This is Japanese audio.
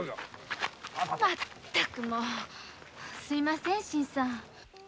まったくもうすみません新さん。